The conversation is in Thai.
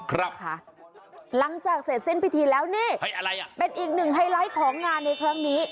ครับค่ะหลังจากเสร็จสิ้นพิธีแล้วนี่เป็นอีกหนึ่งไฮไลท์ของงานในครั้งนี้